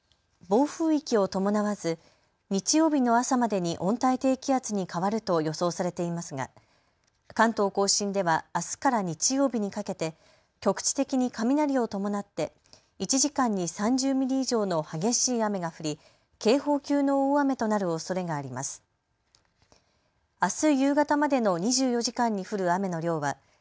暴風域を伴わず日曜日の朝までに温帯低気圧に変わると予想されていますが関東甲信ではあすから日曜日にかけて局地的に雷を伴って１時間に３０ミリ以上の激しい雨が降り警報級の大雨となるおそれがあります。